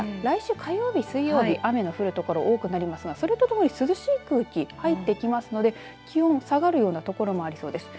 ただ来週、火曜日、水曜日雨の降る所が多くなりますがそれとともに涼しい空気入ってきますので気温が下がるような所もありそうです。